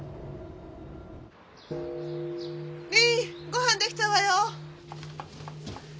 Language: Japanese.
ごはんできたわよ！